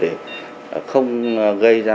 để không gây ra